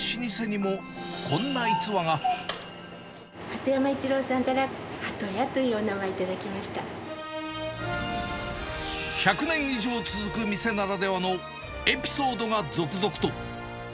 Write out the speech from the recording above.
そして、鳩山一郎さんから、１００年以上続く店ならではのエピソードが続々と。